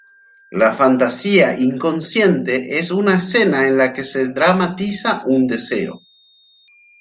La fantasía inconsciente es una escena en la que se dramatiza un deseo.